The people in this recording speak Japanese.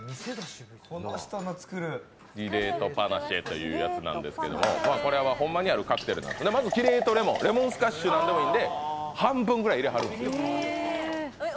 キレートパナシェというやつなんですけど、これはホンマにあるカクテルなんです、まずキレートレモン、レモンスカッシュとかでもいいんで半分ぐらい入れはる。